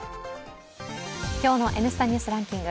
今日の「Ｎスタニュースランキング」